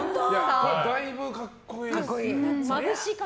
だいぶ格好いいですね。